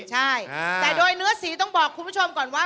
ใช่แต่โดยเนื้อสีต้องบอกคุณผู้ชมก่อนว่า